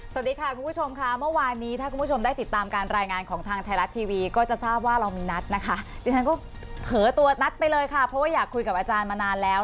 เราจะนัดไปเลยค่ะเพราะว่าอยากคุยกับอาจารย์มานานแล้ว